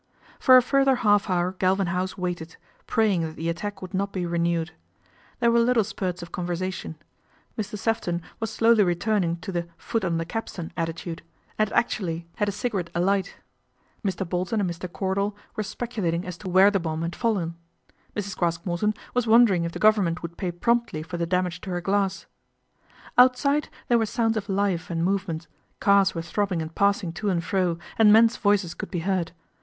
For a further half hour Galvin House waited, praying that the attack would not be renewed. There were little spurts of conversation. Mr. Sefton was slowly returning to the " foot on the capstan " attitude, and actually had a cigarette 270 PATRICIA BRENT, SPINSTER alight. Mr. Bolton and Mr. Cordal were specu lating as to where the bomb had fallen. Mrs. Craske Morton was wondering if the Government would pay promptly for the damage to her glass. Outside there were sounds of life and movement, cars were throbbing and passing to and fro, and men's voices could be heard.